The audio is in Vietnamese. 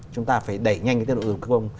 chúng ta phải đẩy nhanh tiến độ thi công